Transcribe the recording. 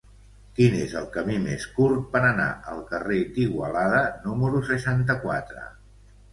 Quin és el camí més curt per anar al carrer d'Igualada número seixanta-quatre?